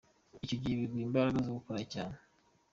Icyo gihe biguha imbaraga zo gukora cyane”.